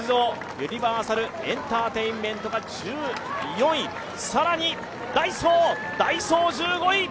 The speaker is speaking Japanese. ユニバーサルエンターテインメントが１４位、さらにダイソー、１５位！